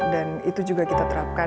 dan itu juga kita terapkan